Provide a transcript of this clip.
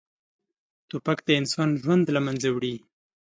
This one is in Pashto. توپک د انسان ژوند له منځه وړي.